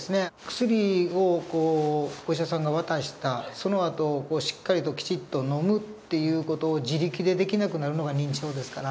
薬をお医者さんが渡したそのあとしっかりときちっと飲むっていう事を自力でできなくなるのが認知症ですから。